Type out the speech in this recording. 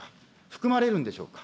含まれるんでしょうか。